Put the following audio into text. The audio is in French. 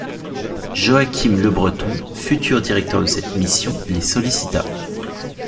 Joachim Lebreton, futur directeur de cette mission, les sollicita.